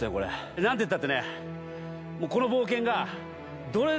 何てったってね。